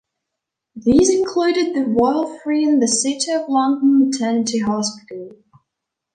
These included The Royal Free and The City of London Maternity Hospital.